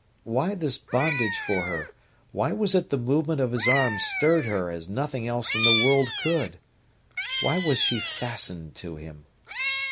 Why this bondage for her? Why was it the movement of his arm stirred her as nothing else in the world could? Why was she fastened to him?